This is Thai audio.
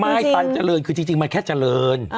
ตันเจริญคือจริงมันแค่เจริญ